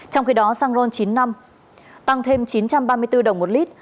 trong khi đó xăng ron chín mươi năm tăng thêm chín trăm ba mươi bốn đồng một lít